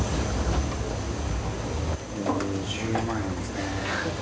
２０万円ですね。